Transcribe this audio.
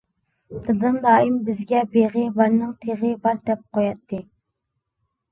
دادام دائىم بىزگە بېغى بارنىڭ تېغى بار دەپ قوياتتى.